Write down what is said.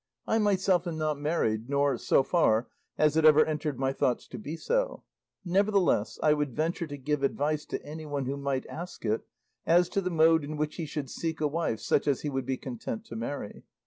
I myself am not married, nor, so far, has it ever entered my thoughts to be so; nevertheless I would venture to give advice to anyone who might ask it, as to the mode in which he should seek a wife such as he would be content to marry.